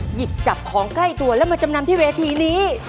หยิบจับของใกล้ตัวแล้วมาจำนำที่เวทีนี้